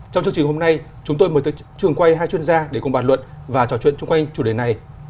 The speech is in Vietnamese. trong chương trình hôm nay chúng tôi mời trường quay hai chuyên gia để cùng bàn luận và trò chuyện chung quanh chủ đề này